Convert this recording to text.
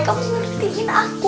kamu ngertiin aku